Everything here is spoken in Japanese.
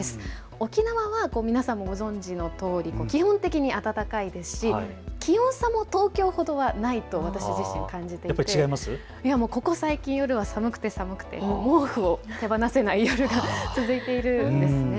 沖縄は皆様もご存じのとおり基本的に暖かいですし気温差も東京ほどはないと私自身、感じていてここ最近、夜は、寒くて寒くて毛布を手放せない夜が続いているんです。